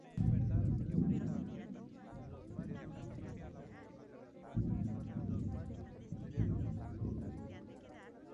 Como consecuencia de su revuelta, tomó la cabeza del reino de Bósforo.